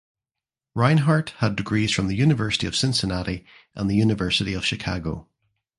Reinhardt had degrees from the University of Cincinnati and the University of Chicago.